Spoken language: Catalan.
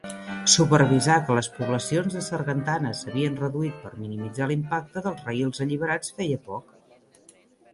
Supervisar que les poblacions de sargantanes s'havien reduït per minimitzar l'impacte dels rails alliberats feia poc.